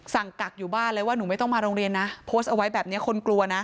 กักอยู่บ้านเลยว่าหนูไม่ต้องมาโรงเรียนนะโพสต์เอาไว้แบบนี้คนกลัวนะ